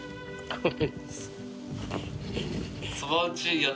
これ。